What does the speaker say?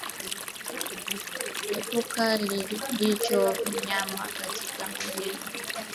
Epuka kulisha wanyama katika maeneo yaliyo na kupe walioambukizwa